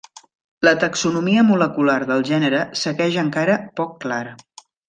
La taxonomia molecular del gènere segueix encara poc clara.